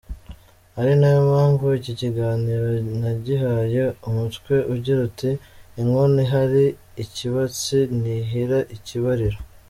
Ari nayo mpamvu iki kiganiro nagihaye umutwe ugira uti :« Inkono ihira ikibatsi ntihira ikibariro ».